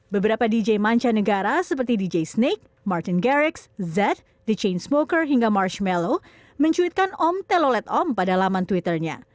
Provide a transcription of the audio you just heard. beberapa dj manca negara seperti dj snake martin garrix zedd the chainsmoker hingga marshmello mencuitkan om telolet om pada laman twitternya